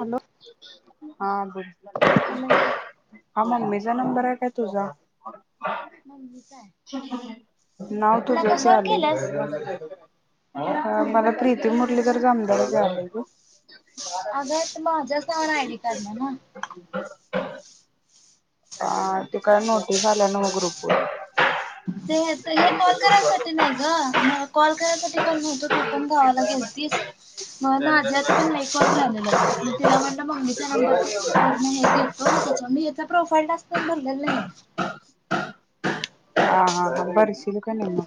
Hello. हा बोल. Hello हा मम्मीचा नंबर आहे का तुझा? [inaudible] नाव कुठला तुझच कशावर यालय केल्यास [inaudible] प्रीती मुरलधर जामदार ना तू? [inaudible] अगं माझ्याच नावानं आयडी काढल्या ना. अ ते काय नोटीस आल्या नव्ह ग्रुपवर ते हे ते हे कॉल करायसाठी नाही ग मला कॉल करायसाठी कोण नव्हत तू पण गावाला गेलतीस, म [unintelligible] पण लई कॉल राहिलेलं. मग तिला म्हणलं मम्मीचा नंबर ते हे घेतो म त्याच्या म याचा प्रॉब फाईल टास्क तेन भरलेलं नाहीये. हा हा हा भरशील कणी मग.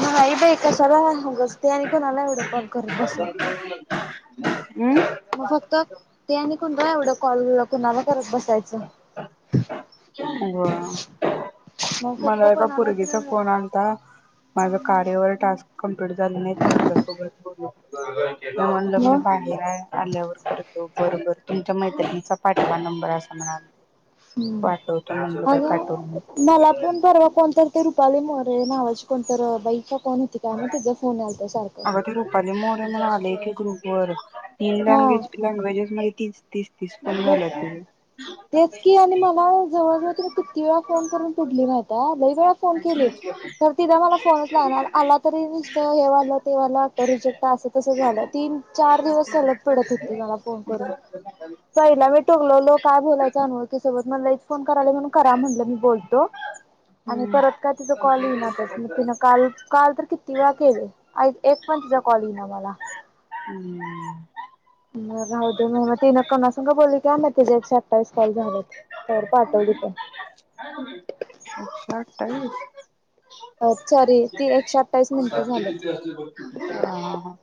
नाही बाई, कशाला म उगच ते आणि कुणाला एवढं कॉल करत बसू. [inaudible] म फक्त ते आणि [unintelligible] एवढं कॉल कुणाला करत बस जायच व्हय फक्त मला एका कोणाला पोरगीचा तर फोन मग आलता, माझ कार्यवर टास्क कंप्लीट झालं नाहीत तुमच्या सोबत बोलू? मी म्हणलं मी हम्म. बाहेर हाय. आल्यावर करतो बरबर तुमच्या मैत्रिणींचा पाठवा नंबर असं म्हणा हम्म अग मला नाही पण परवा कोणतर ते रुपाली म्ह कोरे नावाची कोणतर बाई कोन होती काय माहिती तिचा फोन यालता सारखं बरं [unintelligible] हा लँग्वेज लँग्वेजेस मधे [unintelligible] बघ तेच की आणि मला जवळ जवळ तिनं किती वेळा फोन करून पिडली माहिताय लई वेळा फोन केली तर तिनं मला फोनच लावणार आला तरी नुसत हे व्हालं ते व्हालं आत्ता रिजेक्ट हाय अस तस झालं तीन चार दिवस सलग पिडत हुती तुझे मला फोन करून. पहिला मी तु काय बोलायचं अनोळखी सोबत म लईच फोन कराल्या म्हणून करा म्हणलं मी बोलतो आणि हम्म परत काय तिचं कॉल येनातच म तिनं काल काल तर किती वेळा केली एक पण तिचा कॉल ईना मला [unintelligible] म राहूदे म तिनं कुणा संग बोलली् काय माहित तझं एकशे अठ्ठावीस कॉल झाल्यात तर पाटवली पण [unintelligible] अ चारी ते एकशे अठ्ठावीस मिंट सातशे किती असते बघ झाल्यात हा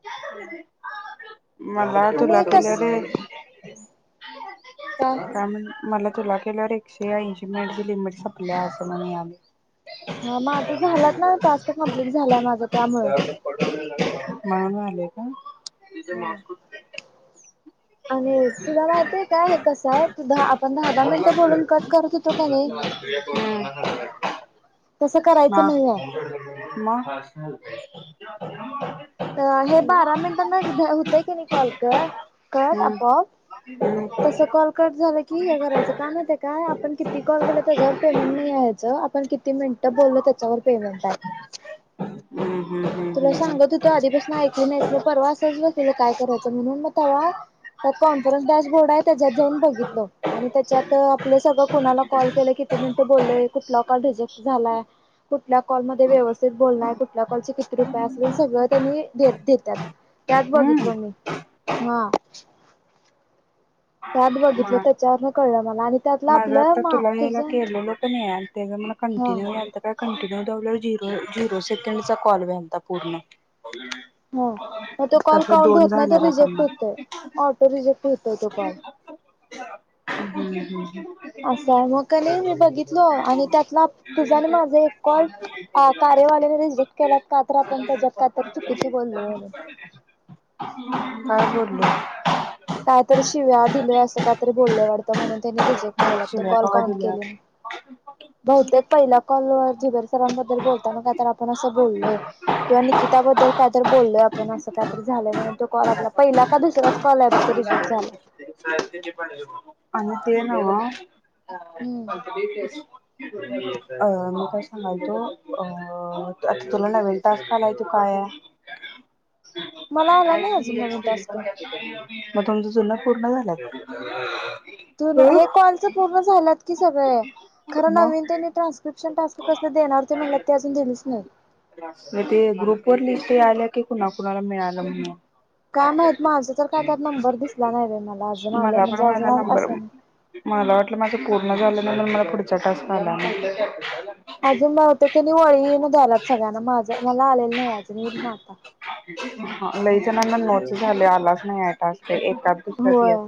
[unintelligible] मला तुला आणि केल्याले कसं काय म्हणलं मला तुला केल्यावर एकशे ऐंशी मिनिटची लिमिट संपल्या असं म्हणून यालय. हा माझं झालंत ना टास्क कमप्लीट झालाय माझा त्यामुळं. मानु आले का. तिथे हा. मॉस्कोत आणि तुला माहित आहे काय हे कस आहे? सुद्धा आत पण दहा दहा मिनट हा बोलून कट करत होतो. कनी [unintelligible] मा म अ हे बारा मिनिटांना होतं की नाही कॉल क कट हम्म आपोआप तस कॉल कट झालं कि हे करायचं काम य काय आपण किती कॉल केलं त्याच्यावर पेमेंट नाही यायचं. आपण किती मिनिट बोलल त्याच्यावर पेमेंट आहे. हम्म हम्म हम्म तुला हम्म सांगत होतू आधीपासून ऐकली नाही मग परवा सहज बसलेलो काय करायचं म्हणून मग तेव्हा त्यात कॉन्फरन्स डॅशबोर्ड आहे त्याच्यात जाऊन बघितलं आणि त्याच्यात आपलं सगळं कोणाला कॉल केलं किती मिनिटं बोललय कुठला कॉल रिजेक्ट झालाय कुठल्या कॉल मध्ये व्यवस्थित बोललाय कुठल्या कॉल रुपया अस सगळं त्यांनी दे देत्यात त्यात हम्म बघितलो मी. हा त्यात बघितलं हम्म त्याच्यावरन कळलं मला आणि त्यातलं माझं आता आपलं मा तुला हेला तुझ केलेलं क नाही आणि त्याचा मला हा कंटिन्यू यालता काय कंटिन्यू लावल्यावर झीरो झिरो सेकंडचा कॉल वेनता पूर्ण. हा मग तो कॉल तसं काउंट दोन होत नाही तर झाल्यात आता रिजेक्ट मला. होतोय ऑटो रिजेक्ट होतो तो. काॅल हम्म हम्म असं आहे म कनी मी बघितल आणि त्यातला तुझा आन माझा एक कॉल कार्यवालेने रिजेक्ट केला. का तर आपण त्याच्यात कायतरी चुकीच बोलले म्हणून. [inaudible] कायतरी शिव्या दिलय असं कायतरी बोललय वाटतं म्हणून त्यानी रिजेक्ट केला तो शिव्या कॉल कवा काउंट केलेला दिल्यात. नाही. बहुतेक पहिल्या कॉलवर झुबेर सरांबद्दल बोलताना काय तर आपण असं बोललोय किंवा निकिताबद्दल कायतरी बोललय आपण असं काय तरी झालंय म्हणून तो कॉल आपला पहिला का दुसराच कॉल आहे बघ, तो रिजेक्ट झालाय. आणि ते ना [unintelligible] हम्म अ मी काय सांगायलतो अ आता तुला नवीन टास्क घलाय तो काय आहे. मला आला नाही अजून नवीन टास्क [unintelligible] म तुमचा जुना पूर्ण झाला. त हे कॉलच पूर्ण झालात कि सगळे मग खर नवीन त्यांनी म ट्रान्स्क्रिप्शन टास्क कस देणार ते मला ते अजून दिलीच नाही. ग्रुप वर लिस्ट ते आल्या की कुणा कुणाला मिळाल म्हणून काय माहत माझं तर काय त्यात नंबर दिसला नाही बाय मला पण माझा नंबर मला वाटलं माझ पूर्ण झालनंतर मला पुढच्या टाास झाला ना अजून म होते तनी वळी न द्यालात सगळ्यांना माझा मला आलेलं नाही अजूनही म आता नो झा आलाच नाहीते ए होय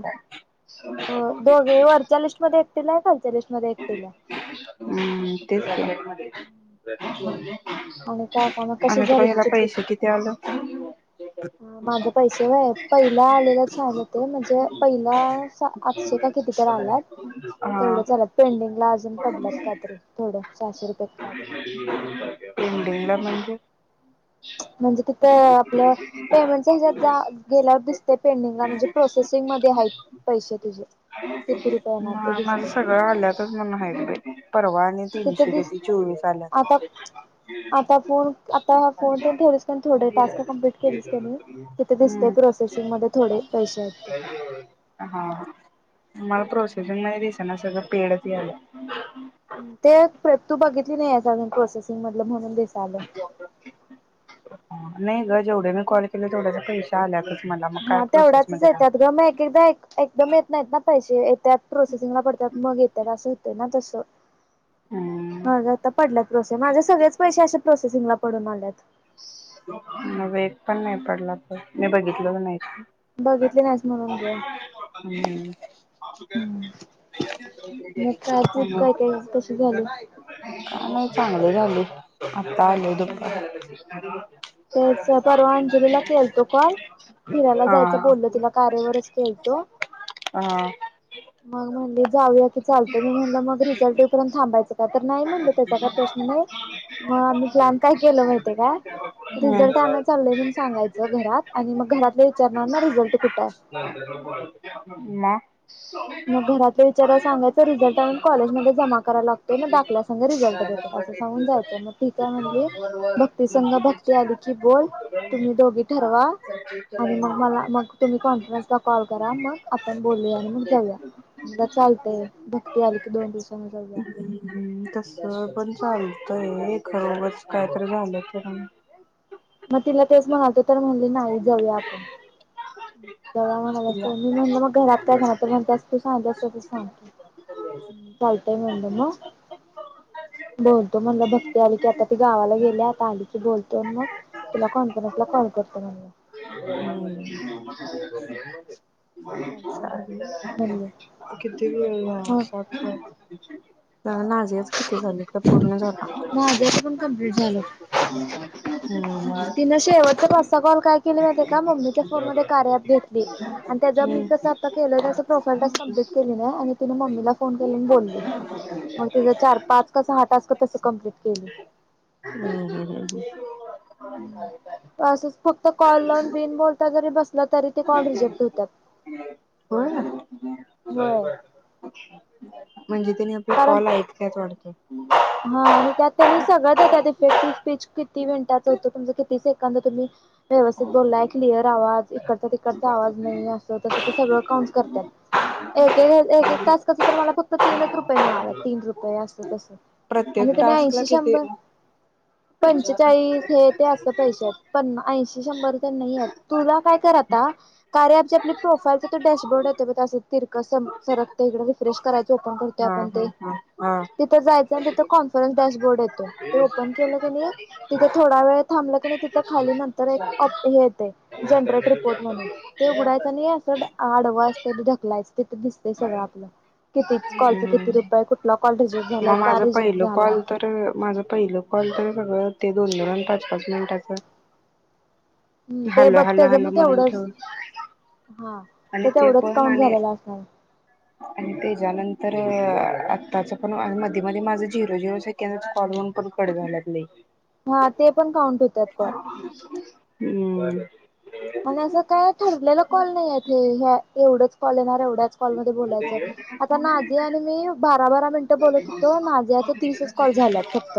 दोघे वरच्या लिस्टमध्येध्ये एकतील आहे खालच्या लिस्ट हम्म तेच आणि काय का मग कशी आणि तुला झाली ह्याला तुझ ट्रिप पैसे किती आलं? माझ पैसे पहिला आलेलंच आलं ते म्हणजे पहिला आठशे का कितीत आल्यात तेवढं हा. झा आलात पेंडिंगला अजून पडलत का तरी थोडं सहाशे रुपय ते म्ह नर म्हणजे म्हणजे तिथ आपलं पेमेंट हच्यात गेल्यावर दिसते पेंडिंगला म्हणजे प्रोसेसिंग मध्ये आहेत पैसे तुझे किती रुपये येणार ते दिसते ह ब परवा तिथे तनशे दिस चोवी आता आता फोन आता हा फोन तर ठेवलीस क थोडे टास्क कंप्लीट केलीस क नाही तिथे दिसते प्रोसेसिंग मध्ये थोडे पैसे आहेत मला प्र त्यांना सगळं पेड लं ते तू बघितली नाही आहे अजून प्रोसेसिंग मधलं म्हणून चालेल हा नाही ग जेवढे मी कॉल केले तेवढ्याचा पैश आल्यात हा तेवढ्याचच येतात ग मग एक एकदा एकदम येत नाहीत ना पैसे येतात प्रोसेसिंगला पडतात मग येतात असं तेना तसं हम्म हा जातता पडलात प्रोसे माझे सगळेच पैसे अस प्रोसेसिंग ला पडून आल्यात म वेग पण नाही पडला तर मी बघितलं तर नाही बघितले नाहीच म्हणून ग हम्म मग काय टिप मग काय काय कस झालं चांगलं चांगू आतालो तु प तेच परवा अंजलीला केलतो कॉल फिरायला जायच हा बोलल तिला कार्यावरच केलतो हा मग म्हणले जाऊया की चालत मी म्हणल मग रिझल्टपर्यंत थांबायचं का तर नाही मग म्हणलं त्या जागा प्रचण नाही मग आम् प्लॅन काय केलं माहिितय का हम्म रिझल्ट आणय चाललंय म्हण सांगायचं घरात आणि मग घरातले विचारणार ना रिझल्ट कुठ आहे मग घरातल्या विचारला सांगायच रिझल्ट आणून कॉलेजमध्ये जमा करा लागत मग दाकल्या सं रिझल्ट देतात असं सांगून जायचं मग ठीकय म्हणली भक्ती संघा भक्ती आली की बोल तुम्ही दोघी ठरवा आणि मग मला मग तुम्ही कॉन्फरनसला कॉल करा मग आपण बोल. जाऊया चालते भक्ती आली की दोन दिवसांनी जाऊया. तस पण चाल खरोबच काय तर झालं तर म इला तेस मगालत तरार म्हण ना नाही. तिला [unintelligible] मग बोलतो म्हणलं भक्ती आली की आता ती गावाला गेली आता आली की बोलतो मग तुला कॉन्फरन्स ला कॉल करतो म्हणी. ह. चालतंय म्हणलं म्हणले किती ग मग नाजेच किती झाले त्या पूर्ण झालं माझ्याच पण कम्प्लीट हम्. तिन शेवचत कॉल काय केली नाय- का मम्मीच्या फोन म होय. कार्या ॲप घेतली आणि त्यां मी कस आता केलं तस प्रोफाईल टास्क कप्लीट केली नाही आणि तिने मम्मीला फोन केले न बोली मग तीच चार पाच सहा तस कंप्लीट केली. असच फक्त कॉल लावून बिन बोलता जरी बसला तरी ते कॉल रिजेक्ट होत्यात. व्हय. म्हणजे त्याने आपले कॉल ऐकत्यात वाटत. हा आणि त्यात त्यांनी सगळं देत इफेक्टिव्ह स्पीच किती मिनिटच होत तुम किती सेकंद तुम्ही व्यवस्थित बोललाय क्लिअर आवाज इकडचा तिकडचा आवाज नाही अस तस ते सगळं काउंट करत्यात एक एक टास्क कसतरी मला फक्त तीनच रुपये मिळाले तीन रुपये अस तस प्रत्येक टास्क ला किती? पंचेचाळीस हे ते अस पैसे येत्या पण ऐंशी शंभर तर नाही येत तुला काय कर आता कार्या ॲपची प्रोफाईल डॅशबोर्ड येत बग अस तिरक सरकत इकडे तिकडे रिफ्रेश करायच ओपन करतोय हा आपण हा ते हा हा. तिथं जायच अन तथ कॉन्फरनस डॅशबोर्ड येतो ते ओपन केलं की नाही तिथे थोडा वेळ थांबलं की नाही तिथे खाली नंतर एक हे येते जनरेट रिपोर् म्हणून ते उघडायचं आणि अस आडवायचं ढकलायचं तिथं दिसत सगळं आपलं किती कॉलच हम्म किती रुपय कुठला? कॉ रिजेक् झालाय मग का माझं रिेक्ट पहिलं कॉल तर माझ पहिलं कॉल तर ते दोन धोरूण पाच पाच मिनिटाचं हम्म ते हॅलो हॅलो बघते ग हॅलो मग म्हणून तेवढंच ठेवून हा आणि त ते तेवढंच पण काउंट आणि झालेल असणार. आणि त्याच्यानंतर आताच पण मध्ये मध्ये माझ झिरो झिरो सेकंदच कॉल होउन परत कट झालात लई. हा ते पण काउंट होतात कॉल. हम्म. म्हणे असं काय ठरलेला कॉल नाहीयेत हे एवढच कॉल येणार एवढच एवढेच कॉल मध्ये बोलायचं हम्म. आता नाझिया आणि मी बारा बारा मिनिट बोलत होतो. नाझियाच तीसच कॉल झाल्यात फक्त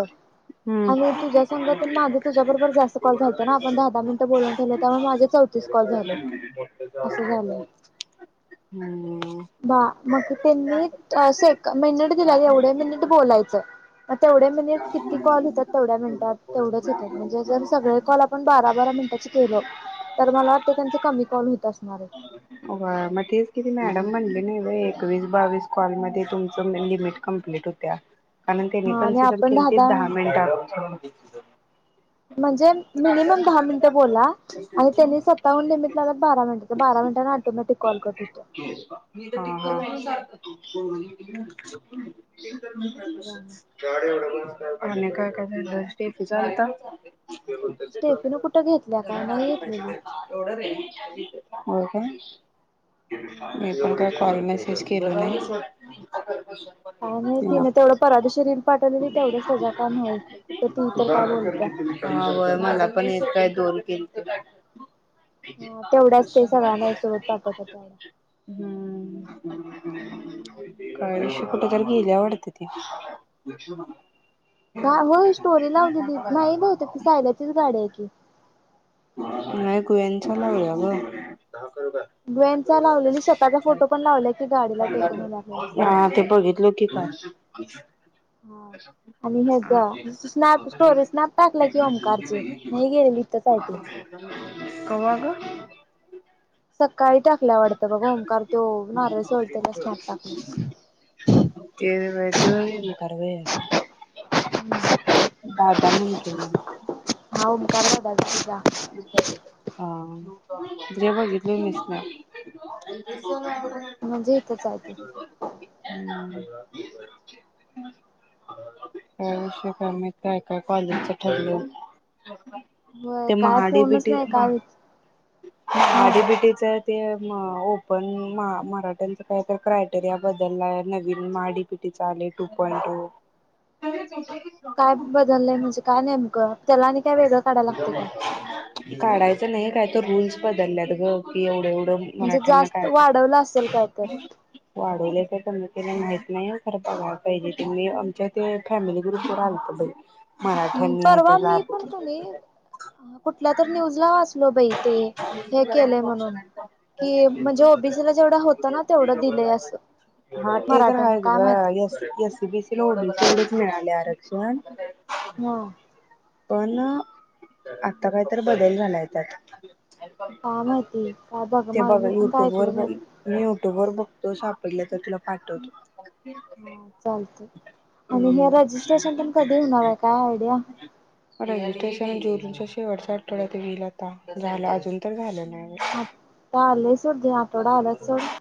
हम्म. आणि तुझ्या संगतीन माझं तुझ्याबरोबर जास्त कॉल झालत आपण दहा दहा मिनिटे बोलून ठेवलं त्यामुळे माझं [unintelligible] झालंय. हम्म ह [inaudible] बा मग त्यांनी सेक मिनिट दिला एवढे मिनिट बोलायचं मग तेवढे मिनिट किती कॉल होेतात तेवढ्या मिनिटात तेवढच येतात म्हणजे जर सगळे कॉल आपण बारा बारा मिनिटाचे केलो तर मला वाटते त्यांचे कमी कॉल होत असणारे. व्हय मग तेच कि ती मॅडम म्हणली नही व्हय एकवीस बावीस कॉल आहेत. मध्ये तुमचं लिमिट कंप्लीट होत्या. कारण त्यानी हा आणि कन्सिडर आपण केलती दहा मिनिटात - [inaudible] म्हणजे मिनिमम दहा मिनिटं बोला आणि त्यांनी सत्तावन्न लिमिट लावलात बारा मिनिट बारा मिनटांना ऑटोमॅटिक कॉल कट होतो. ह ह. असं झालं गाडी एढ - आणि काय काय झालं स्टेफि चा आलता [unintelligible] स्टेफीन कुठं घेतल्या काय नाही घेतलेली. एवढं रे हो काय. मी पण काय- कॉल मेसेज केला नाही. काय नाही तिनं तिने तेवढं परावादिवशी रील पाठवलेली तेवढं तेझ्यावर का नाही ती इतर काय बोलत्या फोन केलती तुला ह तेवढ्याच ते सगळ्यांना एक सुोरत पाठत हो तेवढं हम्म काय विषय कुठेतरी गेल्या वाटते ती का हो स्टोरी लावलेली दिली नाही बहुतेक होते ती सायलाचीच गाडी आहे की कुयान चलाव ग ग लावलेली स्वःचा फोटो पण लावला हा ते बघितलं की काल हा आणि अछा ह्याचा स्नॅप स्टोरी स्नॅप टाकला की ओमकारची नाही गेलेली इथंच आहे ती कवा ग ह सका काही टाकल्या आवडतं बघ होंकार त नारळ सोलत्याल स्नॅप टाकलं ते त्यो कारवे दादा न ओमकार दादाचा हा जे बघितली ले लिस ना म्हणजे इथच आहे त शक मय का कॉलेजच ठरलं होय काय फोनच महाडीबिटी नाही काय हा महाडीबिटीच ते ओपन मराठ्यांच काय तर क्रायटेरिया बदललाय नवीन माडीपीटी आले टू पॉईंट टू. काय बदललंय म्हणजे, काय नेमकं त्याला आणि काय वेगळं काढायला लागते काय काढायचं नाही, काय तर रूल्स बदलल्यात ग की एवढे एवढ- म्हणजे मराठ्यांना जास्त काय वाढवलं असेल काय तर वाढवले. क के माहत नाही बघला पाहिजेी आमच्या ते फॅमिली ग्रुप आलत बाई. हम्म मराठ्यांनी परवा ते मी लाभ पण क नाही. कुठल्या तर न्यूज ला वाच. कि म्हणजे ओबीसीला जेवढं होतं ना तेवढं दिलंय असं हा ते तर मराठ्यानं रायच काय माहिती ग एससी बीसी लाओढ एढच मिळालेर शण. म [unintelligible] पण आता काय तर बदल झालाय त्यात अ [unintelligible] काय माहिती काय बघ माग बघा मी पण का युट्यूब वर ऐकल नाही मी युट्यूब बघतो सापडल्या तर तुला पाठवतो. हा चालत आणि हे हम्म रजिस्ट्रेशन पण कधी होणार आहे, काय आयडिया जोरूनच्या शेवटचा आठवड्या ते होईल. [unintelligible] झालं अजून तर झालं. नाही. आता आलेस र आटोडाला आल्यात सोड. [unintelligible]